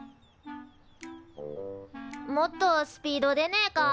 もっとスピード出ねえか？